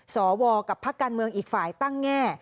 สวกับพักการเมืองอีกฝ่ายตั้งแง่